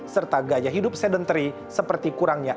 serta gaya hidup sedentary seperti kurangnya